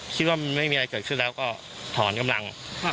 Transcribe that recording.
คิดว่ามันไม่มีอะไรเกิดขึ้นแล้วก็ถอนกำลัง